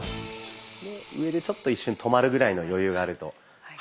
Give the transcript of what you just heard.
上でちょっと一瞬止まるぐらいの余裕があると。